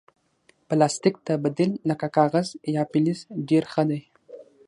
پلاستيک ته بدیل لکه کاغذ یا فلز ډېر ښه دی.